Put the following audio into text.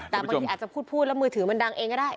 แต่บางทีอาจจะพูดแล้วมือถือมันดังเองก็ได้